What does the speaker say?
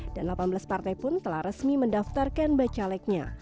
dan delapan belas partai pun telah resmi mendaftarkan bacaleknya